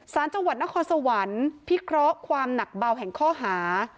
สารจังหวัดนครสวรรค์พิเคราะห์ความหนักเบาแห่งข้อหา